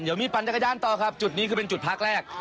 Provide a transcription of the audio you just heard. เดี๋ยวมีปั่นจักรยานต่อครับจุดนี้คือเป็นจุดพักแรก